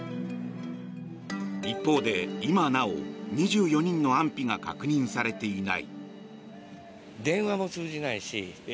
一方で今なお、２４人の安否が確認されていない。